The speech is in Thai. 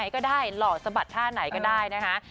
ก็แบบไหนก็ได้นะครับ